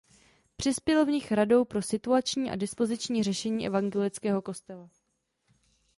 Přispěl v nich radou pro situační a dispoziční řešení evangelického kostela.